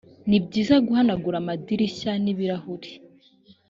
ni byiza guhanagura amadirishya n ibirahuri